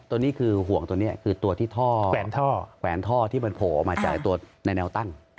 ตัวนี้คือห่วงตัวนี้คือตัวที่ท่อแหวนท่อที่มันโผล่ออกมาจากตัวในแนวตั้ง